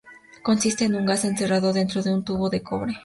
Consiste en un gas encerrado dentro de un tubo de cobre.